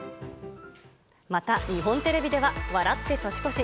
また、日本テレビでは、笑って年越し！